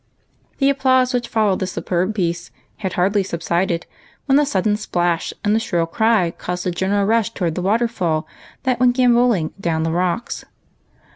The ai:)plause which followed this superb piece had hardly subsided, when a sudden splash and a shrill cry caused a general rush toward the waterfall that went gambolling down the rocks, singing sweetly as it ran.